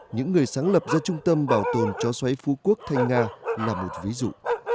những người sáng lập ra trung tâm bảo tồn chó xấy phú quốc thanh nga là một ví dụ